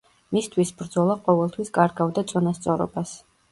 მისთვის ბრძოლა ყოველთვის კარგავდა წონასწორობას.